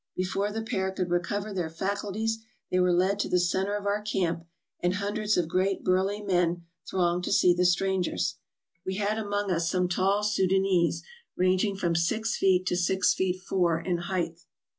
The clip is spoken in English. Before the pair could recover their faculties, they were led to the center of our camp, and hundreds of great, burly men thronged to see the strangers. We had among us some tall Soudanese, ranging from six feet to six feet four in height.